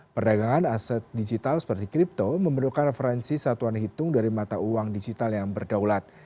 perdagangan aset digital seperti kripto memerlukan referensi satuan hitung dari mata uang digital yang berdaulat